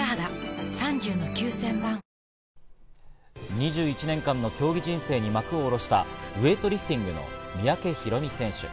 ２１年間の競技人生に幕を下ろしたウエイトリフティングの三宅宏実選手。